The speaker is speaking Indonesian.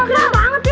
geren banget ya